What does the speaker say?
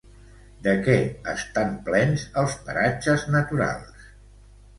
De què estan plens els paratges naturals?